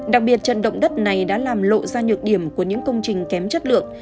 đặc biệt trận động đất này đã làm lộ ra nhược điểm của những công trình kém chất lượng